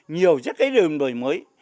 nhiều rất cái đường đổi mới